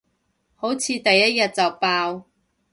好似第一日就爆